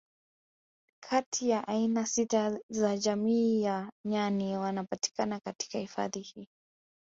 Kati ya aina sita za jamii ya nyani wanapatikana katika hifadhi hii